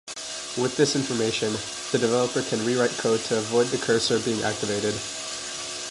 With this information, the developer can rewrite code to avoid the cursor being activated.